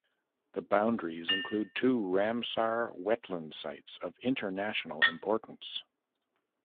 The boundaries include two Ramsar wetland sites of international importance.